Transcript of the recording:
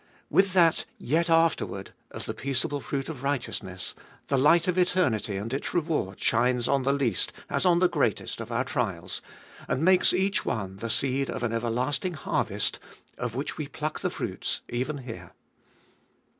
With that yet afterward of the peaceable fruit of righteousness, the light of eternity and its reward shines on the least as on the greatest of our trials, and makes each one the seed of an everlasting harvest, of which we pluck the fruits even here.